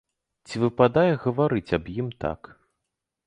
Ці выпадае гаварыць аб ім так?